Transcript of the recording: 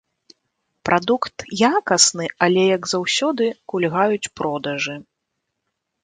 Прадукт якасны, але, як заўсёды, кульгаюць продажы.